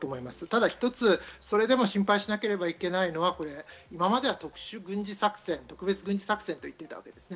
ただ一つ、それでも心配しなければいけないのは、今までは特別軍事作戦と言ってきたわけです。